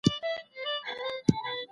پر څښتن دسپي دي وي افرینونه